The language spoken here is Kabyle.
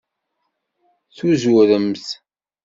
Tuzuremt.